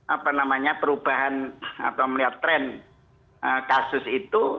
apa namanya perubahan atau melihat tren kasus itu